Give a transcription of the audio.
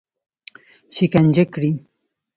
شکنجه کړي.